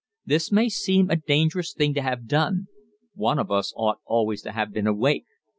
This may seem a dangerous thing to have done. One of us ought always to have been awake.